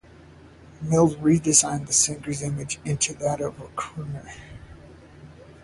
Mills redesigned the singer's image into that of a crooner.